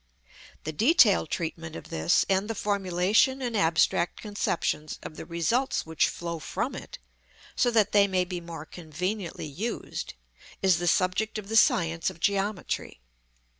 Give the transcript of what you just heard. The detailed treatment of this, and the formulation in abstract conceptions of the results which flow from it, so that they may be more conveniently used, is the subject of the science of geometry.